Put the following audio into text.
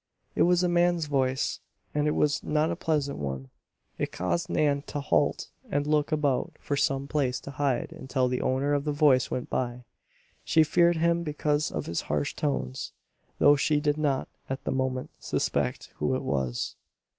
It was a man's voice, and it was not a pleasant one. It caused Nan to halt and look about for some place to hide until the owner of the voice went by. She feared him because of his harsh tones, though she did not, at the moment, suspect who it was.